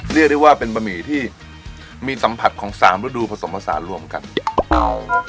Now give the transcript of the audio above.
เรียกได้ว่าเป็นบะหมี่ที่มีสัมผัสของสามฤดูผสมผสานรวมกันเอา